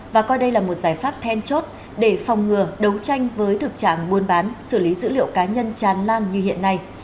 và coi đây là một giải pháp then chốt để phòng ngừa đấu tranh với thực trạng buôn bán xử lý dữ liệu cá nhân tràn lan như hiện nay